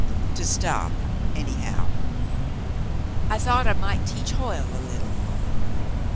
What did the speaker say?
*'To stop — anyhow — I thought I might teach Hoyie a little."